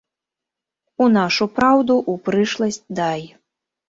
У нашу праўду, у прышласць дай.